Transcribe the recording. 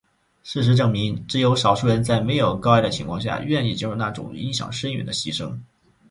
事实证明只有少数人在没有高压的情况下愿意接受那种影响深远的牺牲。